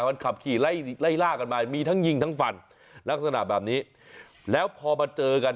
มันขับขี่ไล่ไล่ล่ากันมามีทั้งยิงทั้งฟันลักษณะแบบนี้แล้วพอมาเจอกัน